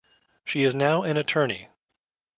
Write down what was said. She is now an attorney.